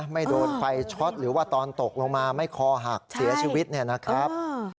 ไม่โดนไฟช็อตหรือว่าตอนตกลงมาไม่คอหักเสียชีวิตเนี่ยนะครับ